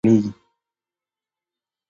د ګړدودونو له مجموعه څخه تشکېليږي.